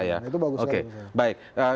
itu bagus sekali